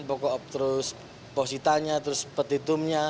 pokok pokok positanya petitumnya